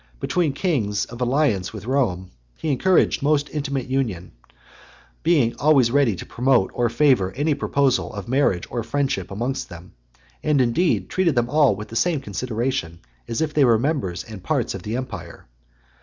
Between (110) kings of alliance with Rome, he encouraged most intimate union; being always ready to promote or favour any proposal of marriage or friendship amongst them; and, indeed, treated them all with the same consideration, as if they were members and parts of the empire.